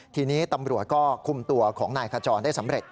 ทีนี้ตำรวจก็คุมตัวของนายขจรได้สำเร็จ